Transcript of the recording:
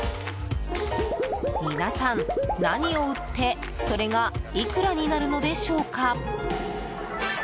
皆さん何を売ってそれがいくらになるのでしょうか。